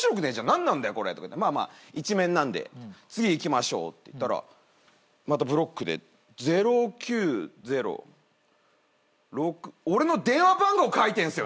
まあまあ１面なんで次いきましょうっていったらまたブロックで「０９０６」俺の電話番号書いてんすよ